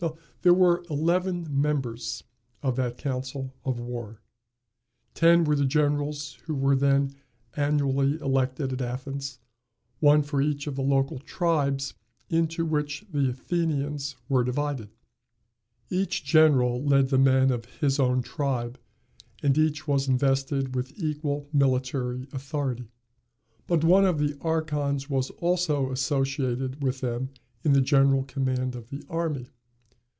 There were eleven members of that council of war. Ten were the generals who were then annually elected at Athens, one for each of the local tribes into which the Athenians were divided. Each general led the men of his own tribe, and each was invested with equal military authority. But one of the archons was also associated with them in the general command of the army.